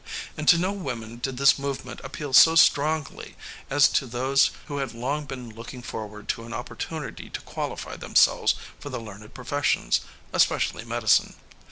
And to no women did this movement appeal so strongly as to those who had long been looking forward to an opportunity to qualify themselves for the learned professions, especially medicine.